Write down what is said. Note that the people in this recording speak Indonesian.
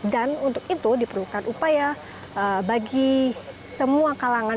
dan untuk itu diperlukan upaya bagi semua kalangan